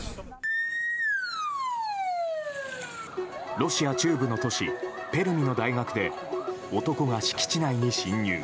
ロシア中部の都市ペルミの大学で男が敷地内に侵入。